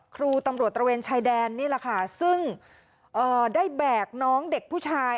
ครูตำรวจตระเวนชายแดนนี่แหละค่ะซึ่งได้แบกน้องเด็กผู้ชาย